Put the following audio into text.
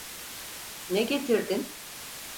Ne getirdin?